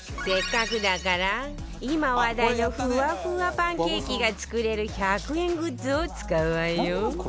せっかくだから今話題のフワフワパンケーキが作れる１００円グッズを使うわよ